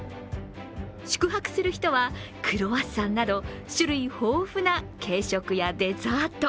宿泊する人はクロワッサンなど種類豊富な軽食やデザート